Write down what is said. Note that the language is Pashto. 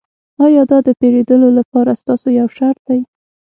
ایا دا د پیرودلو لپاره ستاسو یو شرط دی